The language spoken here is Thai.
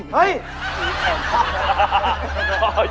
เฮ้ย